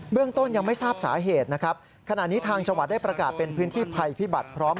เบื้องต้นยังไม่ทราบสาเหตุนะครับ